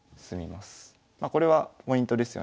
まこれはポイントですよね。